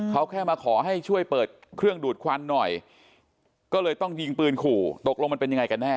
เขาแค่มาขอให้ช่วยเปิดเครื่องดูดควันหน่อยก็เลยต้องยิงปืนขู่ตกลงมันเป็นยังไงกันแน่